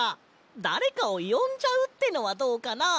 だれかをよんじゃうってのはどうかな？